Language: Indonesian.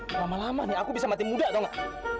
lama lama nih aku bisa mati muda tau gak